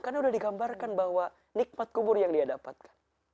karena sudah digambarkan bahwa nikmat kubur yang dia dapatkan